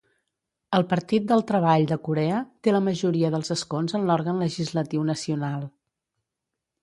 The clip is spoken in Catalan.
El Partit del Treball de Corea té la majoria dels escons en l'òrgan legislatiu nacional.